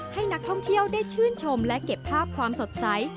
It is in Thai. ให้นักท่องเที่ยวได้ชื่นชมและเก็บภาพความสดใส